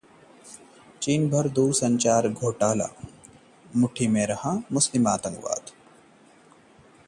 चीन भी दूरसंचार घोटाले से हिला, शीर्ष अधिकारी गिरफ्तार